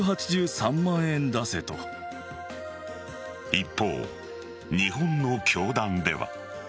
一方、日本の教団では。